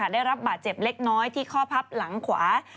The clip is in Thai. ได้รับบาดเจ็บเล็กน้อยที่ข้อพับหลังขวา